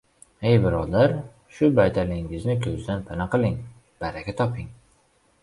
— Ay birodar, shu baytalingizni ko‘zdan pana qiling, baraka toping!